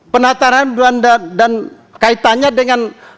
penataran dan kaitannya dengan